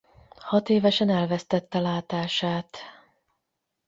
Hatévesen elvesztette látását.